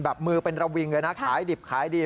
มือเป็นระวิงเลยนะขายดิบขายดี